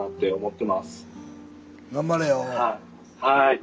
はい。